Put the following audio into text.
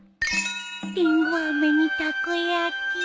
リンゴあめにたこ焼き。